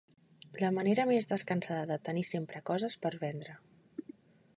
La manera més descansada de tenir sempre coses per vendre.